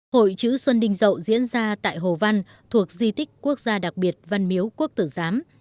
hội chữ xuân đình dậu diễn ra tại hồ văn thuộc di tích quốc gia đặc biệt văn miếu quốc tử giám